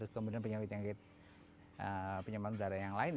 kemudian penyakit penyakit penyembaran udara yang lain